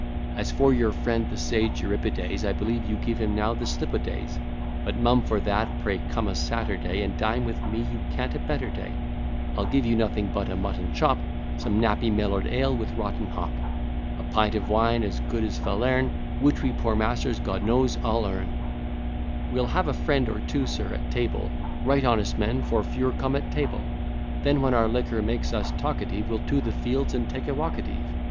As for your friend the sage Euripides, I believe you give him now the slip o' days; But mum for that pray come a Saturday And dine with me, you can't a better day: I'll give you nothing but a mutton chop, Some nappy mellow'd ale with rotten hop, A pint of wine as good as Falern', Which we poor masters, God knows, all earn; We'll have a friend or two, sir, at table, Right honest men, for few're comeatable; Then when our liquor makes us talkative, We'll to the fields, and take a walk at eve.